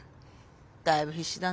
だいぶ必死だな。